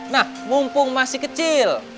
nah mumpung masih kecil